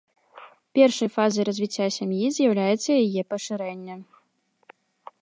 Першай фазай развіцця сям'і з'яўляецца яе пашырэнне.